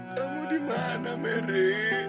kamu dimana mary